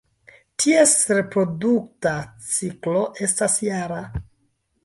Ties reprodukta ciklo estas jara.